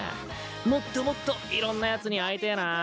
もっともっといろんなやつに会いてえな。